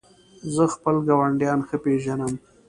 زه خپل ګاونډیان ښه پېژنم.